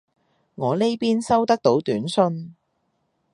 我呢邊收得到短信